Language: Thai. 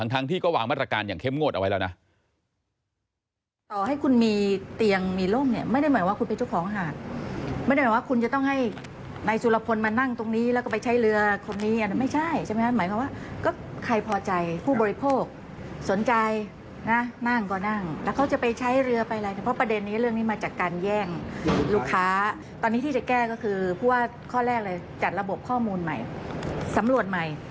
ทั้งที่ก็วางมาตรการอย่างเข้มงวดเอาไว้แล้วนะ